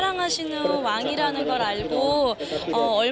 อันนี้ไม่จำเป็นอะไรแทน